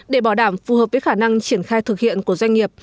để bảo đảm phù hợp với khả năng triển khai thực hiện của doanh nghiệp